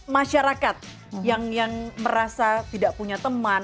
masyarakat yang merasa tidak punya teman